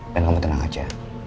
dan kamu tenang aja